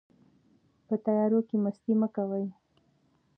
په تیارو کې مستي مه کوئ.